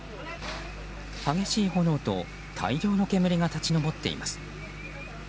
激しい炎と大量の煙が立ち上っています。